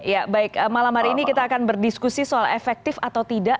ya baik malam hari ini kita akan berdiskusi soal efektif atau tidak